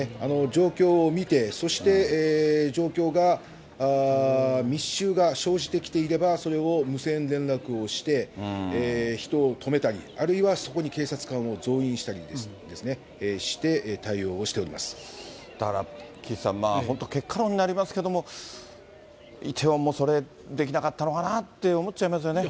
状況を見て、そして状況が密集が生じてきていれば、それを無線連絡をして、人を止めたり、あるいはそこに警察官を増員したりですね、して、対応をしておりだから岸さん、本当、結果論になりますけど、イテウォンもそれ、できなかったのかなって思っちゃいますよね。